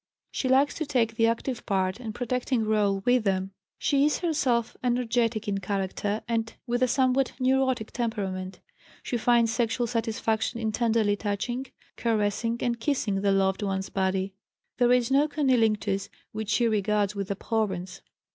She likes to take the active part and protecting rôle with them. She is herself energetic in character, and with a somewhat neurotic temperament. She finds sexual satisfaction in tenderly touching, caressing, and kissing the loved one's body. (There is no cunnilinctus, which she regards with abhorrence.)